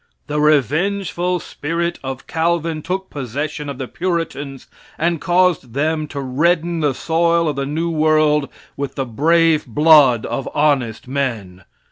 The revengeful spirit of Calvin took possession of the Puritans and caused them to redden the soil of the new world with the brave blood of honest men.